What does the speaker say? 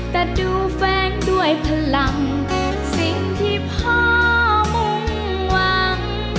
แต่ดูแฟนด้วยพลังสิ่งที่พ่อมุ่งหวัง